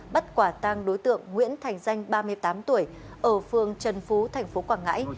bắt quả tang đối tượng nguyễn thành danh ba mươi tám tuổi ở phường trần phú tp quảng ngãi